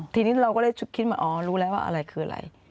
ทีนี้เราก็เลยคิดว่าอ๋อรู้แล้วว่าอะไรคืออะไร